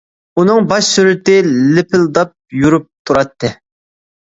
ئۇنىڭ باش سۈرىتى لىپىلداپ يورۇپ تۇراتتى.